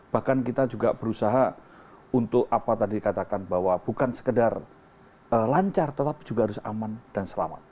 bahkan kita juga berusaha untuk apa tadi katakan bahwa bukan sekedar lancar tetap juga harus aman dan selamat